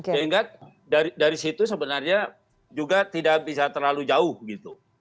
sehingga dari situ sebenarnya juga tidak bisa terlalu jauh gitu